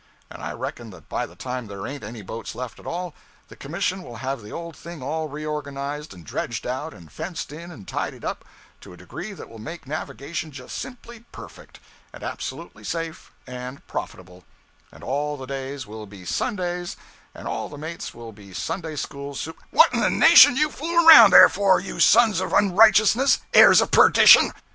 And I reckon that by the time there ain't any boats left at all, the Commission will have the old thing all reorganized, and dredged out, and fenced in, and tidied up, to a degree that will make navigation just simply perfect, and absolutely safe and profitable; and all the days will be Sundays, and all the mates will be Sunday school su _what in the nation you fooling around there for, you sons of unrighteousness, heirs of perdition!